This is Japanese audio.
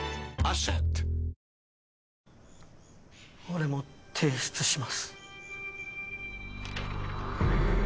俺も提出します。